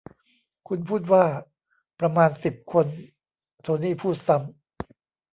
คุณพูดว่าประมาณสิบคนโทนี่พูดซ้ำ